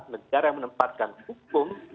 negara yang menempatkan hukum